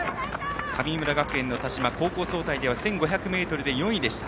神村学園の田島高校総体では１５００ｍで４位でした。